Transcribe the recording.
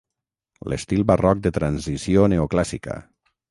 L'estil barroc de transició neoclàssica.